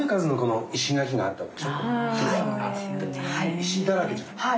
石だらけじゃない。